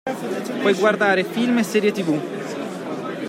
Puoi guardare film e serie tv.